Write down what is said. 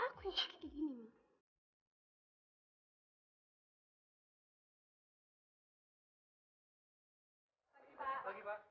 aku yang pakai beginian